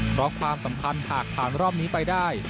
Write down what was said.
เพราะความสัมพันธ์หากผ่านรอบนี้ไปได้